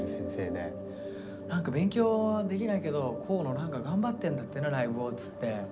「勉強はできないけど河野何か頑張ってんだってなライブを」っつって。